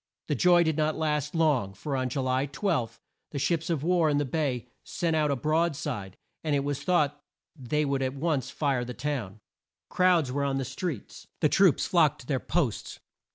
The joy did not last long, for on Ju ly 12, the ships of war in the bay sent out a broad side, and it was thought they would at once fire the town. Crowds were on the streets. The troops flocked to their posts.